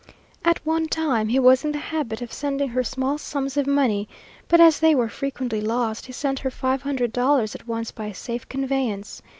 At one time he was in the habit of sending her small sums of money; but as they were frequently lost, he sent her five hundred dollars at once by a safe conveyance.